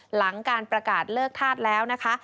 หลังการประกาศเลิกธาตุแล้วนะคะ